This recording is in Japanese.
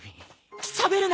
しゃべるな！